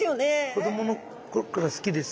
子どもの頃から好きです。